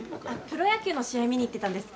プロ野球の試合見に行ってたんです。